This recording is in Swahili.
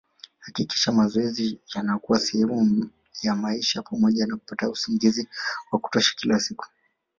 Hakikisha mazoezi yanakuwa sehemu ya maisha pamoja na kupata usingizi wa kutosha kila siku